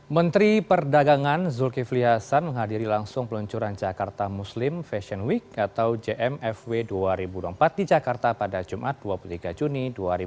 menteri perdagangan zulkifli hasan menghadiri langsung peluncuran jakarta muslim fashion week atau jmfw dua ribu dua puluh empat di jakarta pada jumat dua puluh tiga juni dua ribu dua puluh